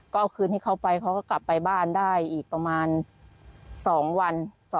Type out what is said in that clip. ก็เอาคืนให้เขาไปเขาก็กลับไปบ้านได้อีกประมาณ๒วัน